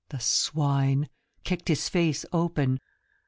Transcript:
The swine ! Kicked his face open.